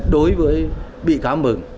đối với bị cáo mừng